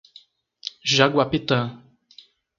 Jaguapitã